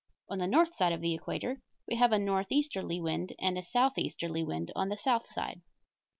On the north side of the equator we have a northeasterly wind, and a southeasterly wind on the south side.